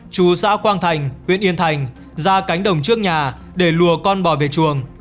chú xã quang thành huyện yên thành ra cánh đồng trước nhà để lùa con bò về chuồng